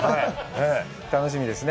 楽しみですね。